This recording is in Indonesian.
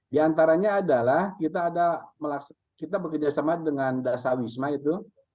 di antaranya adalah kita ada kita bekerjasama dengan dasar wisma itu